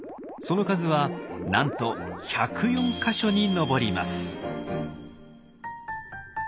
その数はなんと１０４か所に上ります。